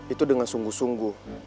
itu dengan sungguh sungguh